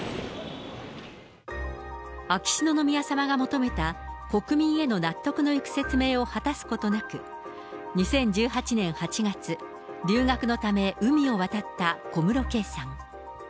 秋篠宮さまが求めた国民への納得のいく説明を果たすことなく、２０１８年８月、留学のため、海を渡った小室圭さん。